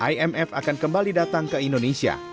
imf akan kembali datang ke indonesia